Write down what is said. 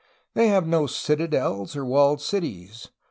"They have no citadels or walled cities